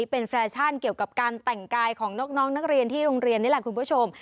เป็นแฟชั่นเกี่ยวกับการแต่งกายของน้องนักเรียนที่โรงเรียนนี่แหละคุณผู้ชม